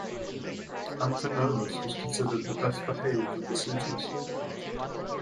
Amphinomus was considered the best-behaved of the suitors.